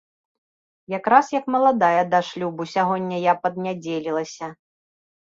Якраз як маладая да шлюбу, сягоння я паднядзелілася!